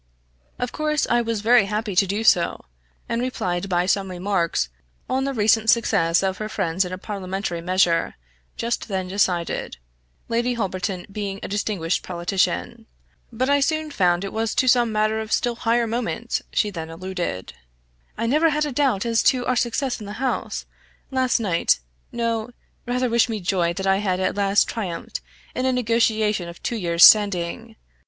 Of course I was very happy to do so, and replied by some remarks on the recent success of her friends in a parliamentary measure, just then decided Lady Holberton being a distinguished politician. But I soon found it was to some matter of still higher moment she then alluded. "I never had a doubt as to our success in the house, last night no; rather wish me joy that I have at last triumphed in a negotiation of two years standing.